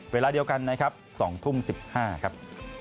เวลาเดียวกันนะครับ๒ทุ่ม๑๕ครับ